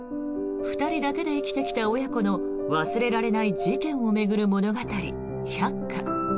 ２人だけで生きてきた親子の忘れられない事件を巡る物語「百花」。